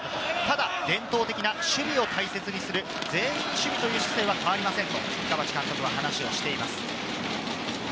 ただ伝統的な守備を大切にする、全員守備という姿勢は変わりませんと深町監督は話をしています。